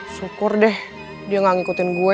syukur deh dia gak ngikutin gue